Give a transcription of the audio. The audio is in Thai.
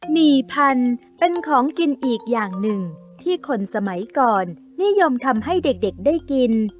หี่พันธุ์เป็นของกินอีกอย่างหนึ่งที่คนสมัยก่อนนิยมทำให้เด็กได้กิน